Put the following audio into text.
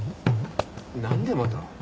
何でまた！？